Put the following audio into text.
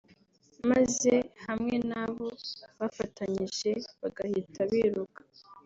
maze hamwe n’abo bafatanyije bagahita biruka